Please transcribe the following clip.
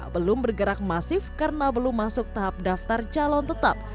belum bergerak masif karena belum masuk tahap daftar calon tetap